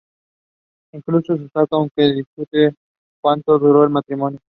Incluso se casó, aunque se discute cuánto duró el matrimonio.